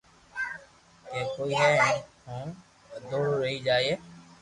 ھي ڪوئي ني ھين ڪوم ادھورو رئي جائي